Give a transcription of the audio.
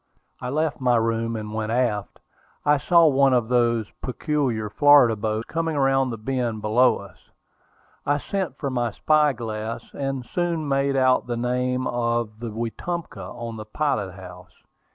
I left my room and went aft. I saw one of those peculiar Florida boats coming around the bend below us. I sent for my spy glass, and soon made out the name of the Wetumpka on the pilot house.